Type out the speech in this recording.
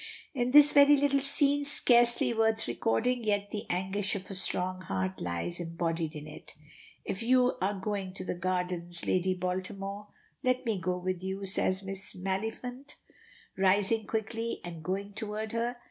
It is a very little scene, scarcely worth recording, yet the anguish of a strong heart lies embodied in it. "If you are going to the gardens, Lady Baltimore, let me go with you," says Miss Maliphant, rising quickly and going toward her.